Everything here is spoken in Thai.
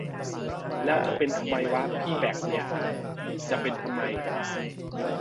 แล้วจะเป็นทำไมวะ พี่แบ่คเนี่ย จะเป็นทำไม